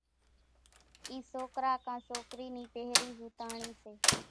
اِي سوڪرا ڪان سوڪري ني پھرين ۿوتاۿڻي سي ۔